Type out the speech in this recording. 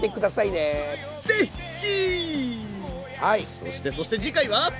そしてそして次回は？